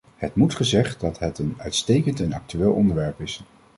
Het moet gezegd dat het een uitstekend en actueel onderwerp is.